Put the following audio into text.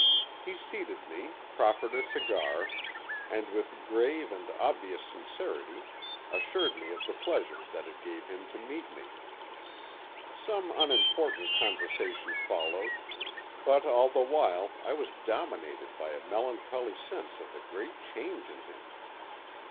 He seated me, proffered a cigar, and with grave and obvious sincerity assured me of the pleasure that it gave him to meet me. Some unimportant conversation followed, but all the while I was dominated by a melancholy sense of the great change in him.